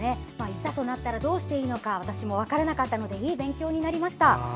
いざとなったら私もどうしたらいいか分からなかったので私もいい勉強になりました。